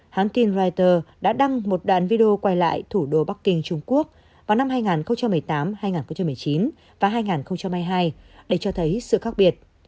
hãng tin reuters đã đăng một đoạn video quay lại thủ đô bắc kinh trung quốc vào năm hai nghìn một mươi tám hai nghìn một mươi chín và hai nghìn hai mươi hai để cho thấy sự khác biệt